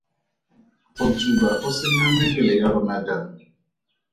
Go tsuba go senya mebele ya rona jang?